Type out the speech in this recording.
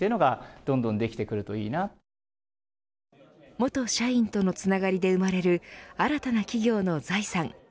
元社員とのつながりで生まれる新たな企業の財産。